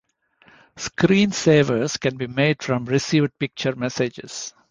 Screensavers can be made from received picture messages.